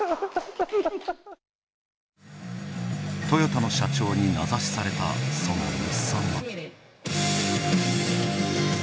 トヨタの社長に名指しされたその日産は。